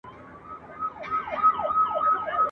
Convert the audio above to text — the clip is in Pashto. زه وېرېدم له اشارو د ګاونډیانو څخه !.